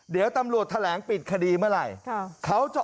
เดี๋ยวตัำรวจแถลงติดคดีเมื่อไหร่ครับเขาจะ